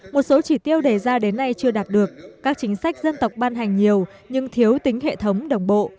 một số chỉ tiêu đề ra đến nay chưa đạt được các chính sách dân tộc ban hành nhiều nhưng thiếu tính hệ thống đồng bộ